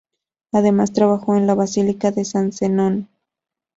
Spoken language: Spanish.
Además trabajó en la Basílica de San Zenón.